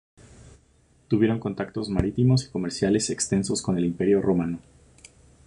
Tuvieron contactos marítimos y comerciales extensos con el imperio romano.